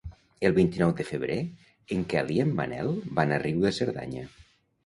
El vint-i-nou de febrer en Quel i en Manel van a Riu de Cerdanya.